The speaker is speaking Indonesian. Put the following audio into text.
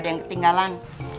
ada yang ketinggalan